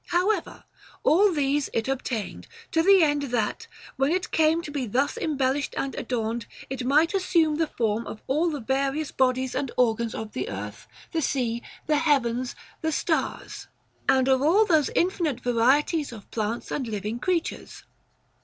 However, all these it obtained, to the end that, when it came to be thus embellished and adorned, it might assume the form of all the various bodies and organs of the earth, the sea, the heavens, the stars, and of all those infinite varieties of plants and living creat ures.